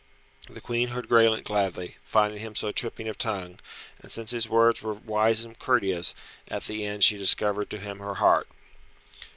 The Queen heard Graelent gladly, finding him so tripping of tongue, and since his words were wise and courteous, at the end she discovered to him her heart.